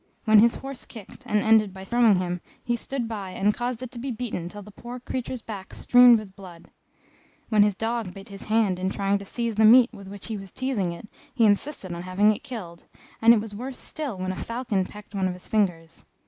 When his horse kicked, and ended by throwing him, he stood by, and caused it to be beaten till the poor creature's back streamed with blood; when his dog bit his hand in trying to seize the meat with which he was teazing it, he insisted on having it killed, and it was worse still when a falcon pecked one of his fingers.